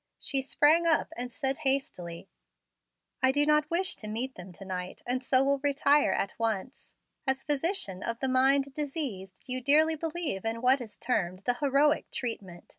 She sprang up and said hastily: "I do not wish to meet them to night, and so will retire at once. As physician of the 'mind diseased' you dearly believe in what is termed the 'heroic treatment.'